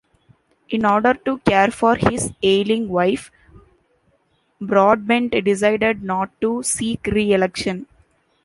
In order to care for his ailing wife, Broadbent decided not to seek re-election.